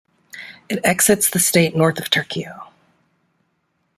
It exits the state north of Tarkio.